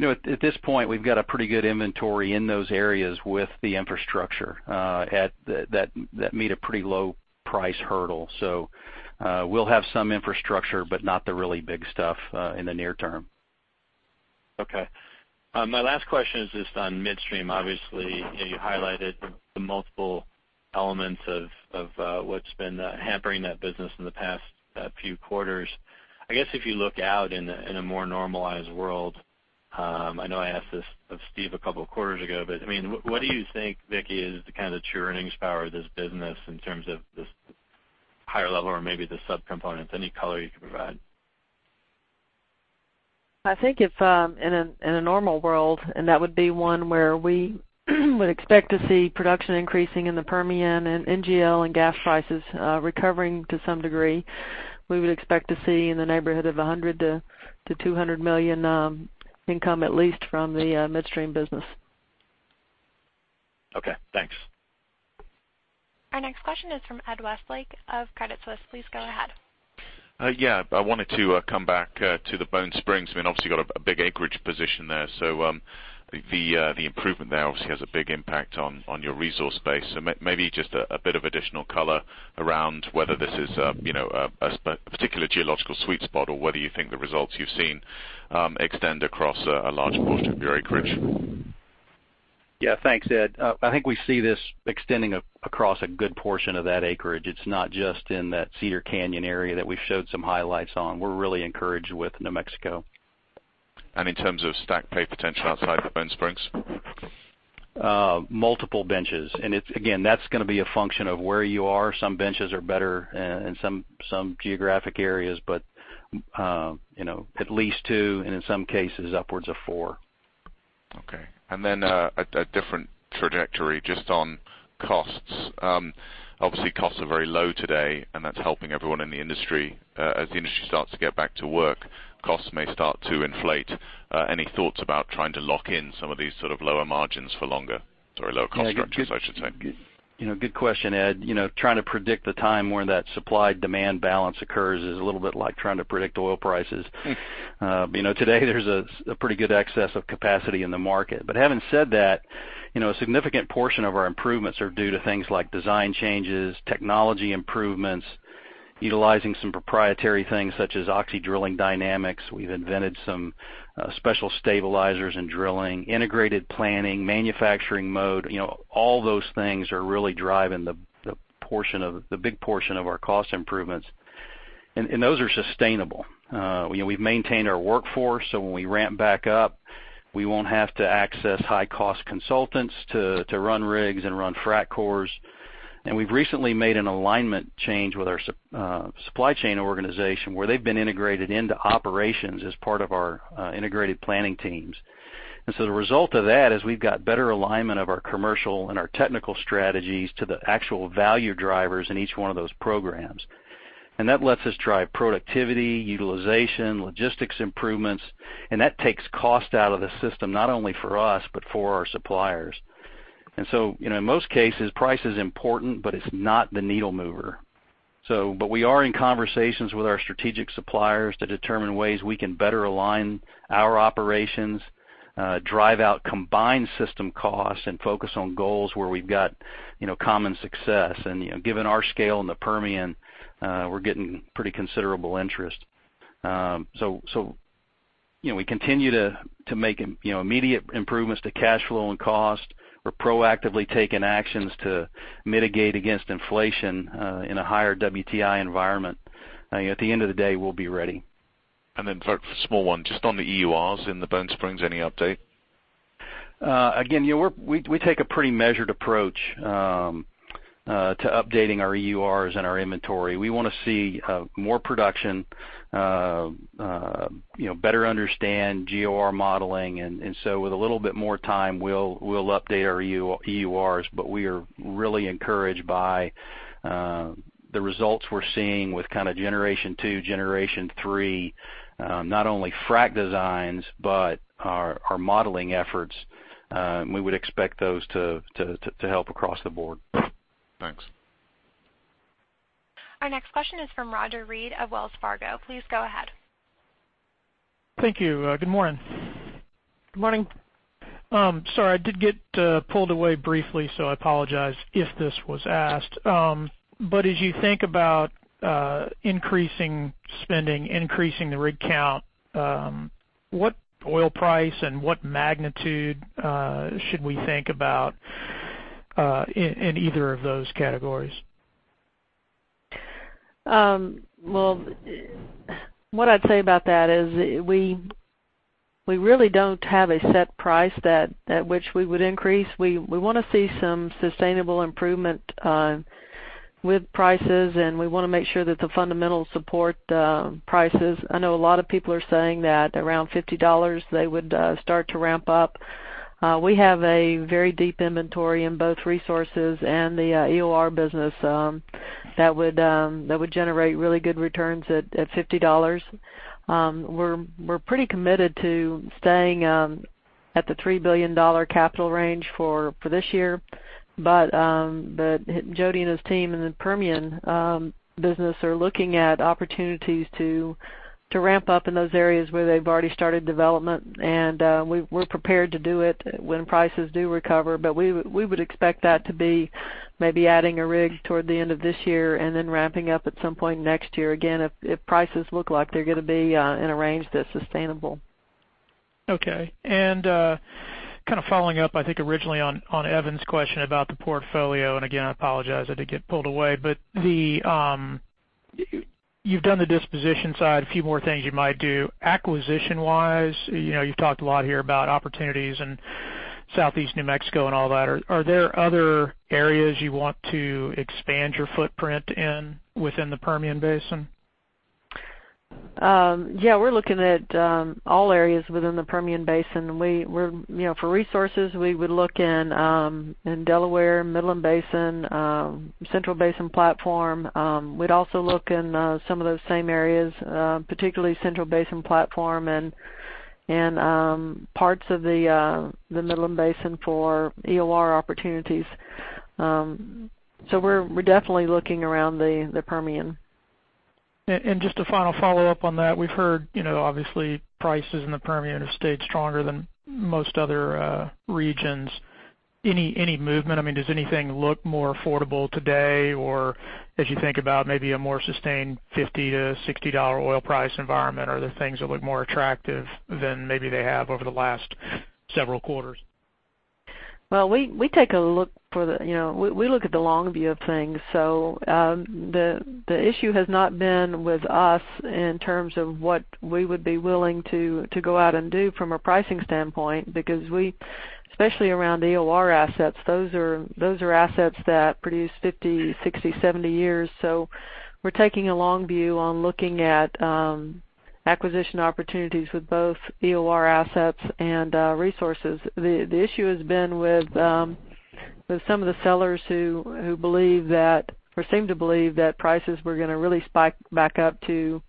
At this point, we've got a pretty good inventory in those areas with the infrastructure that meet a pretty low price hurdle. We'll have some infrastructure, but not the really big stuff in the near term. Okay. My last question is just on midstream. Obviously, you highlighted the multiple elements of what's been hampering that business in the past few quarters. If you look out in a more normalized world, I know I asked this of Steve a couple of quarters ago, what do you think, Vicki, is the true earnings power of this business in terms of this higher level or maybe the sub-components? Any color you can provide? I think if in a normal world, that would be one where we would expect to see production increasing in the Permian and NGL and gas prices recovering to some degree, we would expect to see in the neighborhood of $100 million-$200 million income at least from the midstream business. Okay, thanks. Our next question is from Ed Westlake of Credit Suisse. Please go ahead. Yeah. I wanted to come back to the Bone Spring. Obviously, you got a big acreage position there. Maybe just a bit of additional color around whether this is a particular geological sweet spot, or whether you think the results you've seen extend across a large portion of your acreage. Yeah, thanks, Ed. I think we see this extending across a good portion of that acreage. It's not just in that Cedar Canyon area that we've showed some highlights on. We're really encouraged with New Mexico. In terms of stack pay potential outside of Bone Spring? Multiple benches. Again, that's going to be a function of where you are. Some benches are better in some geographic areas, but at least two and in some cases, upwards of four. Okay. Then a different trajectory just on costs. Obviously, costs are very low today, and that's helping everyone in the industry. As the industry starts to get back to work, costs may start to inflate. Any thoughts about trying to lock in some of these sort of lower margins for longer? Sorry, lower cost structures, I should say. Good question, Ed. Trying to predict the time when that supply-demand balance occurs is a little bit like trying to predict oil prices. Today, there's a pretty good excess of capacity in the market. Having said that, a significant portion of our improvements are due to things like design changes, technology improvements, utilizing some proprietary things such as Oxy Drilling Dynamics. We've invented some special stabilizers in drilling, integrated planning, manufacturing mode. All those things are really driving the big portion of our cost improvements. Those are sustainable. We've maintained our workforce, so when we ramp back up, we won't have to access high-cost consultants to run rigs and run frac crews. We've recently made an alignment change with our supply chain organization, where they've been integrated into operations as part of our integrated planning teams. The result of that is we've got better alignment of our commercial and our technical strategies to the actual value drivers in each one of those programs. That lets us drive productivity, utilization, logistics improvements, and that takes cost out of the system, not only for us, but for our suppliers. In most cases, price is important, but it's not the needle mover. We are in conversations with our strategic suppliers to determine ways we can better align our operations, drive out combined system costs, and focus on goals where we've got common success. Given our scale in the Permian, we're getting pretty considerable interest. We continue to make immediate improvements to cash flow and cost. We're proactively taking actions to mitigate against inflation in a higher WTI environment. At the end of the day, we'll be ready. A small one, just on the EURs in the Bone Spring, any update? Again, we take a pretty measured approach to updating our EURs and our inventory. We want to see more production, better understand GOR modeling, and so with a little bit more time, we'll update our EURs, but we are really encouraged by the results we're seeing with generation 2, generation 3, not only frac designs, but our modeling efforts. We would expect those to help across the board. Thanks. Our next question is from Roger Read of Wells Fargo. Please go ahead. Thank you. Good morning. Good morning. Sorry, I did get pulled away briefly, so I apologize if this was asked. As you think about increasing spending, increasing the rig count, what oil price and what magnitude should we think about in either of those categories? Well, what I'd say about that is we really don't have a set price at which we would increase. We want to see some sustainable improvement with prices, and we want to make sure that the fundamentals support prices. I know a lot of people are saying that around $50, they would start to ramp up. We have a very deep inventory in both resources and the EOR business that would generate really good returns at $50. We're pretty committed to staying at the $3 billion capital range for this year. Jody and his team in the Permian business are looking at opportunities to ramp up in those areas where they've already started development. We're prepared to do it when prices do recover, but we would expect that to be maybe adding a rig toward the end of this year and then ramping up at some point next year, again, if prices look like they're going to be in a range that's sustainable. Okay. Following up, I think originally on Evan's question about the portfolio, and again, I apologize, I did get pulled away, but you've done the disposition side, a few more things you might do. Acquisition-wise, you've talked a lot here about opportunities in southeast New Mexico and all that. Are there other areas you want to expand your footprint in within the Permian Basin? Yeah, we're looking at all areas within the Permian Basin. For resources, we would look in Delaware, Midland Basin, Central Basin Platform. We'd also look in some of those same areas, particularly Central Basin Platform and parts of the Midland Basin for EOR opportunities. We're definitely looking around the Permian. Just a final follow-up on that. We've heard, obviously, prices in the Permian have stayed stronger than most other regions. Any movement? Does anything look more affordable today? As you think about maybe a more sustained $50-$60 oil price environment, are there things that look more attractive than maybe they have over the last several quarters? Well, we look at the long view of things. The issue has not been with us in terms of what we would be willing to go out and do from a pricing standpoint, because we, especially around EOR assets, those are assets that produce 50, 60, 70 years. We're taking a long view on looking at acquisition opportunities with both EOR assets and resources. The issue has been with some of the sellers who believe that, or seem to believe that prices were going to really spike back up to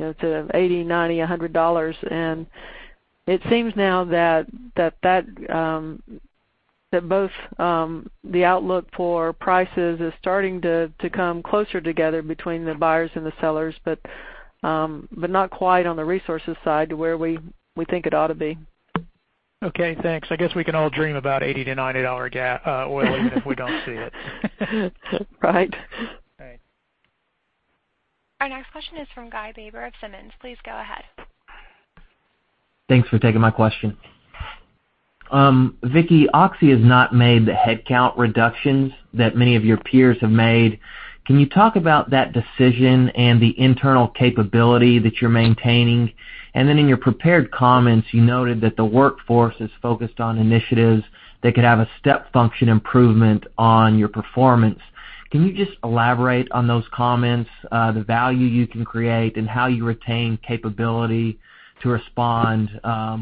$80, $90, $100. It seems now that both the outlook for prices is starting to come closer together between the buyers and the sellers, but not quite on the resources side to where we think it ought to be. Okay, thanks. I guess we can all dream about $80-$90 oil even if we don't see it. Right. All right. Our next question is from Guy Baber of Simmons. Please go ahead. Thanks for taking my question. Vicki, Oxy has not made the headcount reductions that many of your peers have made. Can you talk about that decision and the internal capability that you're maintaining? In your prepared comments, you noted that the workforce is focused on initiatives that could have a step function improvement on your performance. Can you just elaborate on those comments, the value you can create, and how you retain capability to respond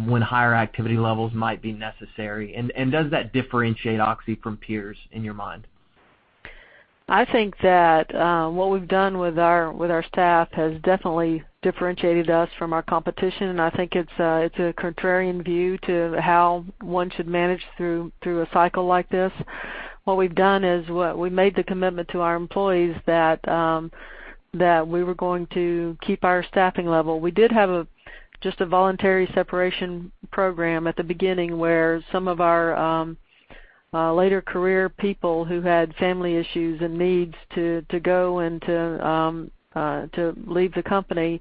when higher activity levels might be necessary? Does that differentiate Oxy from peers in your mind? I think that what we've done with our staff has definitely differentiated us from our competition, and I think it's a contrarian view to how one should manage through a cycle like this. What we've done is to made the commitment to our employees that we were going to keep our staffing level. We did have just a voluntary separation program at the beginning where some of our later career people who had family issues and needs to go and to leave the company.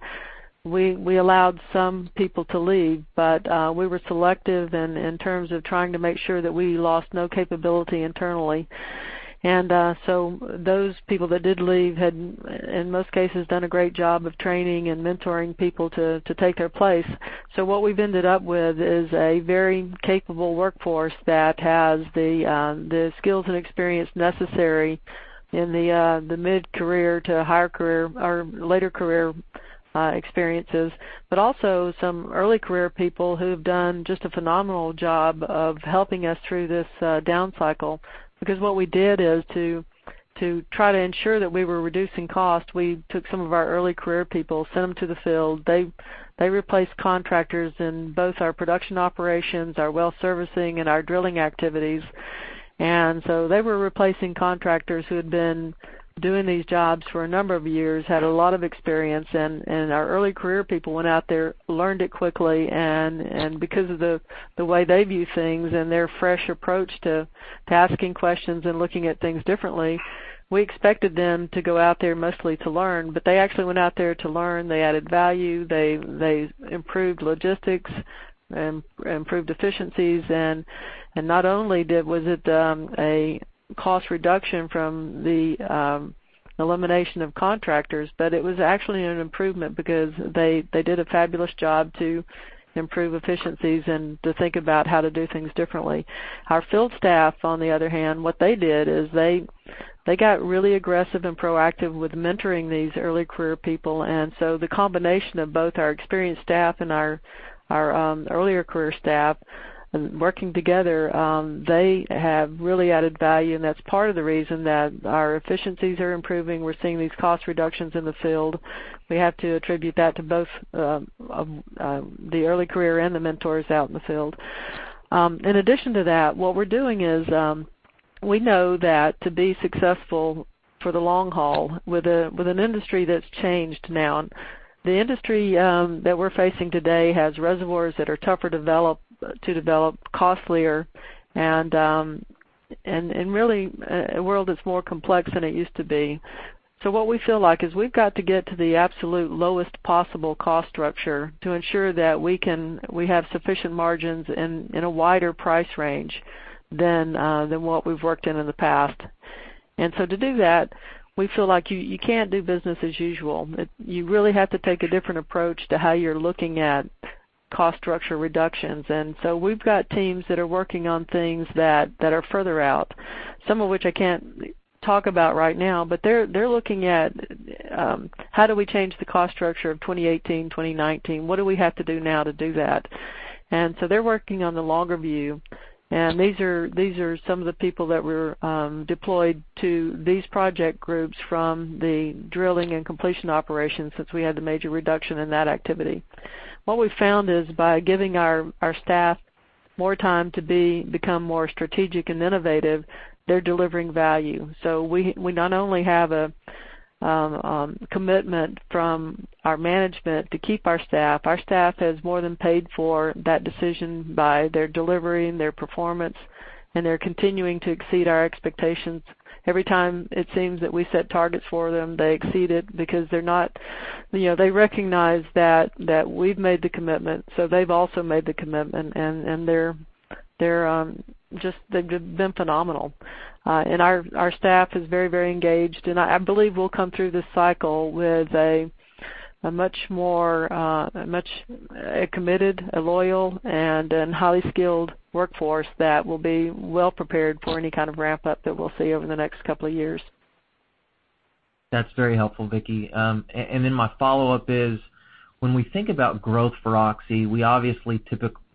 We allowed some people to leave, but we were selective in terms of trying to make sure that we lost no capability internally. Those people that did leave had, in most cases, done a great job of training and mentoring people to take their place. What we've ended up with is a very capable workforce that has the skills and experience necessary in the mid-career to later career experiences, but also some early career people who've done just a phenomenal job of helping us through this down cycle. What we did is to try to ensure that we were reducing costs, we took some of our early career people, sent them to the field. They replaced contractors in both our production operations, our well servicing, and our drilling activities. They were replacing contractors who had been doing these jobs for a number of years, had a lot of experience, and our early career people went out there, learned it quickly, and because of the way they view things and their fresh approach to asking questions and looking at things differently, we expected them to go out there mostly to learn, but they actually went out there to learn, they added value, they improved logistics, improved efficiencies. Not only was it a cost reduction from the elimination of contractors, but it was actually an improvement because they did a fabulous job to improve efficiencies and to think about how to do things differently. Our field staff, on the other hand, what they did is they got really aggressive and proactive with mentoring these early career people. The combination of both our experienced staff and our earlier career staff working together, they have really added value, and that's part of the reason that our efficiencies are improving. We're seeing these cost reductions in the field. We have to attribute that to both the early career and the mentors out in the field. In addition to that, what we're doing is we know that to be successful for the long haul with an industry that's changed now, the industry that we're facing today has reservoirs that are tougher to develop, costlier, and really, a world that's more complex than it used to be. What we feel like is we've got to get to the absolute lowest possible cost structure to ensure that we have sufficient margins in a wider price range than what we've worked in the past. To do that, we feel like you can't do business as usual. You really have to take a different approach to how you're looking at cost structure reductions. We've got teams that are working on things that are further out, some of which I can't talk about right now, but they're looking at how do we change the cost structure of 2018, 2019? What do we have to do now to do that? They're working on the longer view, and these are some of the people that were deployed to these project groups from the drilling and completion operations since we had the major reduction in that activity. What we've found is by giving our staff more time to become more strategic and innovative, they're delivering value. We not only have a commitment from our management to keep our staff, our staff has more than paid for that decision by their delivery and their performance, and they're continuing to exceed our expectations. Every time it seems that we set targets for them, they exceed it because they recognize that we've made the commitment, so they've also made the commitment, and they've been phenomenal. Our staff is very engaged, and I believe we'll come through this cycle with a much more committed, loyal, and highly skilled workforce that will be well prepared for any kind of ramp-up that we'll see over the next couple of years. That's very helpful, Vicki. My follow-up is, when we think about growth for Oxy, we obviously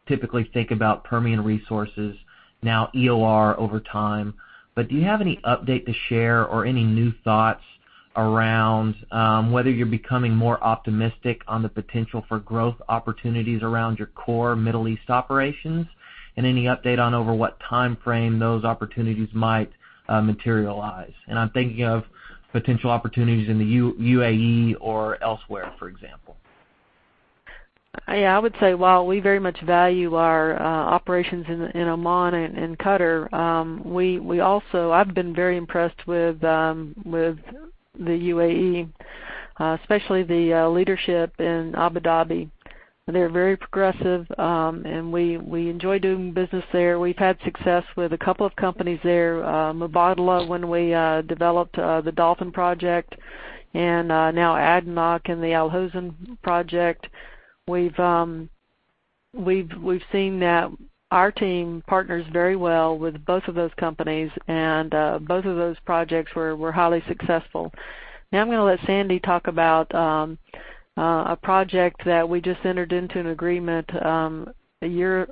typically think about Permian Resources, now EOR over time. Do you have any update to share or any new thoughts around whether you're becoming more optimistic on the potential for growth opportunities around your core Middle East operations? Any update on over what timeframe those opportunities might materialize? I'm thinking of potential opportunities in the UAE or elsewhere, for example. I would say while we very much value our operations in Oman and Qatar, I've been very impressed with the UAE, especially the leadership in Abu Dhabi. They're very progressive, and we enjoy doing business there. We've had success with a couple of companies there, Mubadala when we developed the Dolphin project, and now ADNOC and the Al Hosn project. We've seen that our team partners very well with both of those companies, and both of those projects were highly successful. I'm going to let Sandy talk about a project that we just entered into an agreement a year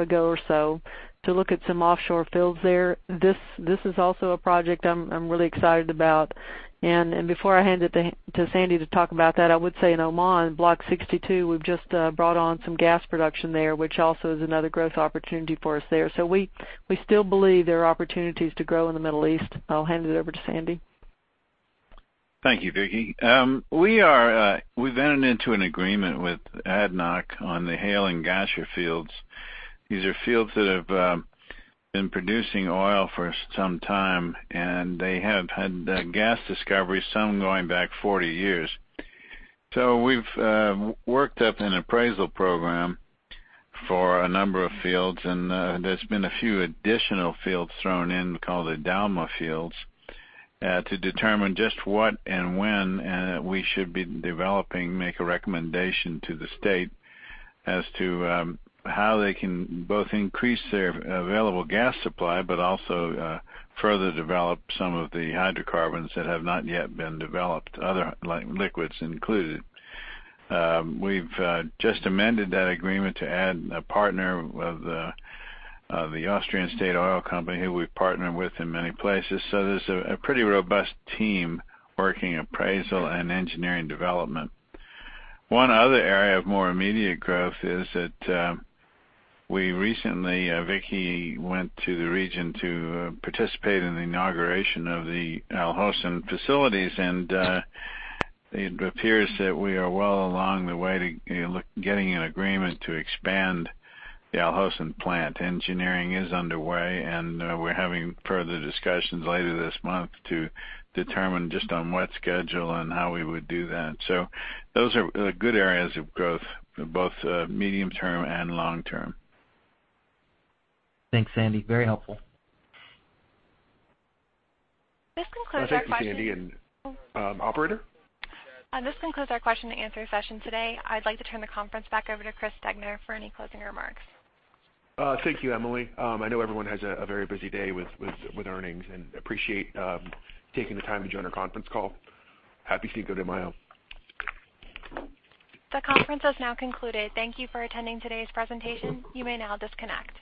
ago or so to look at some offshore fields there. This is also a project I'm really excited about. Before I hand it to Sandy to talk about that, I would say in Oman, Block 62, we've just brought on some gas production there, which also is another growth opportunity for us there. We still believe there are opportunities to grow in the Middle East. I'll hand it over to Sandy. Thank you, Vicki. We've entered into an agreement with ADNOC on the Hail and Ghasha fields. These are fields that have been producing oil for some time, and they have had gas discoveries, some going back 40 years. We've worked up an appraisal program for a number of fields, and there's been a few additional fields thrown in, called the Dalma fields, to determine just what and when we should be developing, make a recommendation to the state as to how they can both increase their available gas supply, but also further develop some of the hydrocarbons that have not yet been developed, other liquids included. We've just amended that agreement to add a partner of the Austrian state oil company who we partner with in many places. There's a pretty robust team working appraisal and engineering development. One other area of more immediate growth is that Vicki went to the region to participate in the inauguration of the Al Hosn facilities, and it appears that we are well along the way to getting an agreement to expand the Al Hosn plant. Engineering is underway, and we're having further discussions later this month to determine just on what schedule and how we would do that. Those are good areas of growth, both medium-term and long-term. Thanks, Sandy. Very helpful. This concludes our question- Thank you, Sandy. Operator? This concludes our question and answer session today. I'd like to turn the conference back over to Chris Degner for any closing remarks. Thank you, Emily. I know everyone has a very busy day with earnings, I appreciate taking the time to join our conference call. Happy Cinco de Mayo. The conference has now concluded. Thank you for attending today's presentation. You may now disconnect.